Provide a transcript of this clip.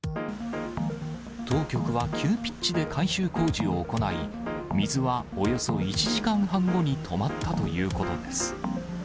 当局は急ピッチで改修工事を行い、水はおよそ１時間半後に止まったということです。